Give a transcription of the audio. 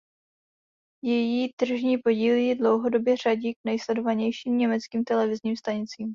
Její tržní podíl ji dlouhodobě řadí k nejsledovanějším německým televizním stanicím.